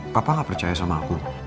papa gak percaya sama aku